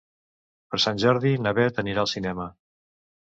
Per Sant Jordi na Beth anirà al cinema.